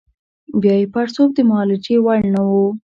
بیا یې پړسوب د معالجې وړ نه وو.